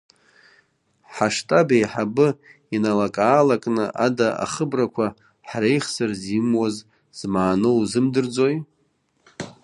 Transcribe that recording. Ҳаштаб аиҳабы иналак-аалакны ада ахыбрақәа ҳреихсыр зимуаз змааноу узымдырӡои?